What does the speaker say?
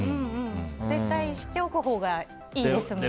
絶対知っておくほうがいいですもんね。